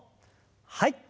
はい。